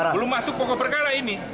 belum masuk pokok perkara ini